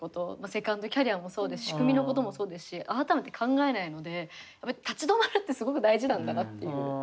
セカンドキャリアもそうですし仕組みのこともそうですし改めて考えないのでやっぱり立ち止まるってすごく大事なんだなっていう。